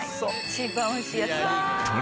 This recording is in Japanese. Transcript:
一番おいしいやつだ。